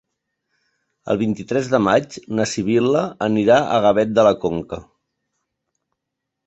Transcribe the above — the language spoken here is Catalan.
El vint-i-tres de maig na Sibil·la anirà a Gavet de la Conca.